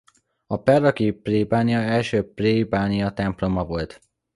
A perlaki plébánia első plébániatemploma volt.